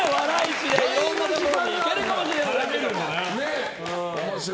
市で、いろんなところに行けるかもしれない。